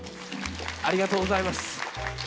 ありがとうございます。